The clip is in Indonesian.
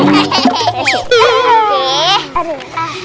nah itu tuh cilet